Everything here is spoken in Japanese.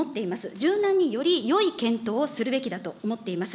柔軟によりよい検討をするべきだと思っています。